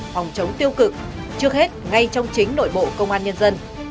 phòng chống tiêu cực trước hết ngay trong chính nội bộ công an nhân dân